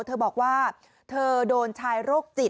เธอบอกว่าเธอโดนชายโรคจิต